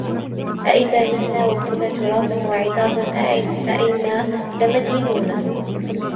أَإِذَا مِتْنَا وَكُنَّا تُرَابًا وَعِظَامًا أَإِنَّا لَمَدِينُونَ